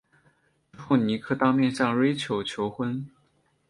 之后尼克当面向瑞秋求婚。